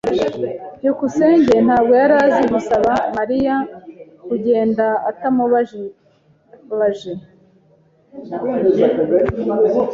byukusenge ntabwo yari azi gusaba Mariya kugenda atamubabaje.